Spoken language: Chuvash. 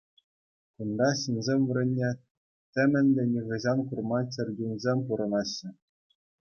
Кунта ҫынсем вырӑнне темӗнле нихӑҫан курман чӗрчунсем пурӑнаҫҫӗ.